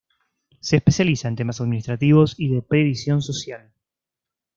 Se especializa en temas administrativos y de previsión social.